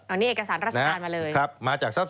ออกนี้เนี่ยเอกสารราชการมาเลย